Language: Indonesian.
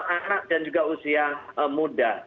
anak dan juga usia muda